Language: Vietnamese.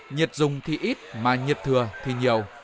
nhiệt dùng thì ít mà nhiệt thừa thì nhiều